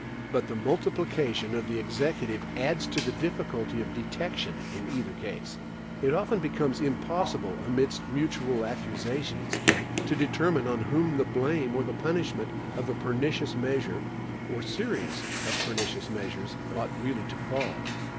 But the multiplication of the Executive adds to the difficulty of detection in either case. It often becomes impossible, amidst mutual accusations, to determine on whom the blame or the punishment of a pernicious measure, or series of pernicious measures, ought really to fall.